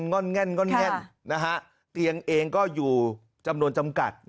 ง่อนเตียงเองก็อยู่จำนวนจำกัด